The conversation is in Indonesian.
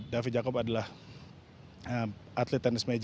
david jacob adalah atlet tenis meja